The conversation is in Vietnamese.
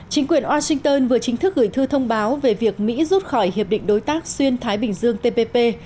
chính quyền washington vừa chính thức gửi thư thông báo về việc mỹ rút khỏi hiệp định đối tác xuyên thái bình dương tpp